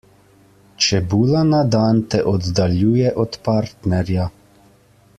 Čebula na dan te oddaljuje od partnerja.